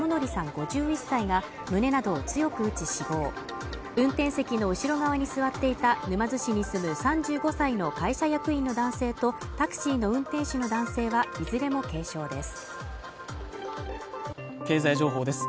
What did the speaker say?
５１歳が胸などを強く打ち死亡運転席の後ろ側に座っていた沼津市に住む３５歳の会社役員の男性とタクシーの運転手の男性は、いずれも軽傷です。